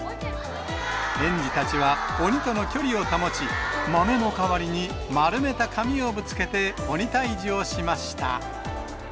園児たちは鬼との距離を保ち、豆の代わりに丸めた紙をぶつけて、鬼退治をしました。